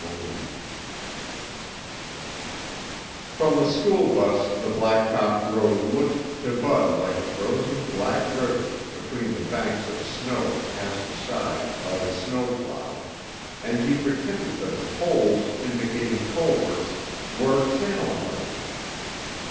chapter 7 From the school bus the blacktop road looked to Bud like a frozen black river between the banks of snow cast aside by the snowplow and he pretended that the poles indicating culverts were channel markers.